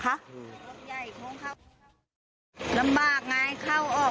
ลำบากไงเข้าออกก็ลำบาก